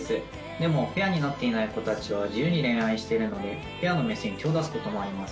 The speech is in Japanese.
でもペアになっていない子たちは自由に恋愛してるのでペアのメスに手を出すこともあります。